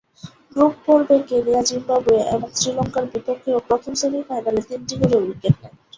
Group পর্বে Kenya, Zimbabwe এবং শ্রীলঙ্কার বিপক্ষে ও প্রথম সেমি-ফাইনালে তিনটি করে উইকেট নেন।